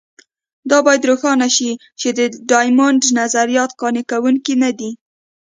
دا باید روښانه شي چې د ډایمونډ نظریات قانع کوونکي نه دي.